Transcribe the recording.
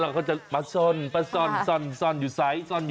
พระองค์จะปลาช้อนอยู่ซ้าย